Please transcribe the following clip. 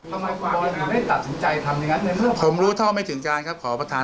แล้วเจตนาการที่คุณไปโฆษณาหรือว่าไปร้ายให้สดในหน้าโรงงาน